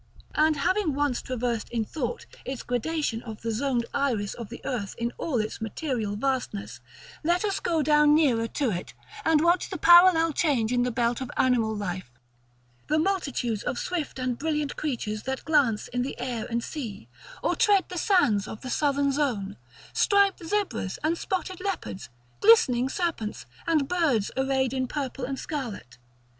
And, having once traversed in thought its gradation of the zoned iris of the earth in all its material vastness, let us go down nearer to it, and watch the parallel change in the belt of animal life: the multitudes of swift and brilliant creatures that glance in the air and sea, or tread the sands of the southern zone; striped zebras and spotted leopards, glistening serpents, and birds arrayed in purple and scarlet.